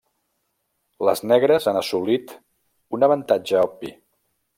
Les negres han assolit un avantatge obvi.